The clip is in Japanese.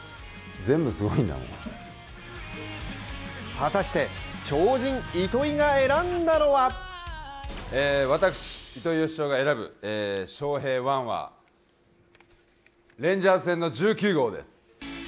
果たして、超人・糸井が選んだのは私、糸井嘉男が選ぶ「ＳＨＯＨＥＩ☆１」はレンジャーズ戦の１９号です。